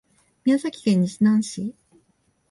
宮崎県日南市